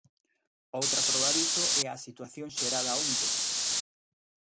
Outra proba diso é a situación xerada onte.